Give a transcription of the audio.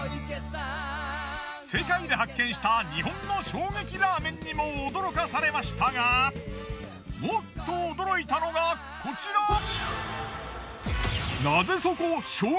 世界で発見した日本の衝撃ラーメンにも驚かされましたがもっと驚いたのがこちら。